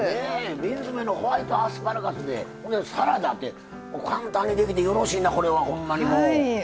瓶詰めのホワイトアスパラガスでサラダって簡単にできて、よろしいな。